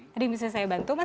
jadi bisa saya bantu mas